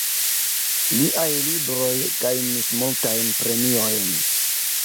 Liaj libroj gajnis multajn premiojn.